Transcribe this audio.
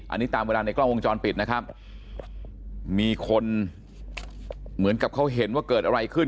อันนี้ตามเวลาในกล้องวงจรปิดนะครับมีคนเหมือนกับเขาเห็นว่าเกิดอะไรขึ้น